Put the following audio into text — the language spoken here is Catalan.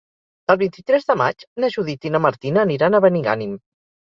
El vint-i-tres de maig na Judit i na Martina aniran a Benigànim.